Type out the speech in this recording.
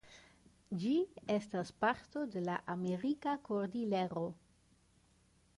Ĝi estas parto de la Amerika Kordilero.